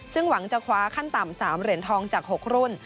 ซึ่งหวังจะคว้าขั้นต่ำ๓เหรียญทองจาก๖รุ่น